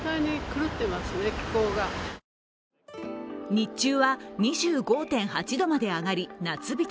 日中は２５．８度まで上がり夏日